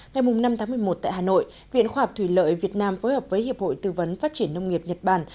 ngày năm tháng một mươi một tại hà nội viện khoa học thủy lợi việt nam phối hợp với hiệp hội tư vấn phát triển nông nghiệp nhật bản